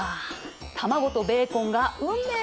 卵とベーコンが運命の出会い！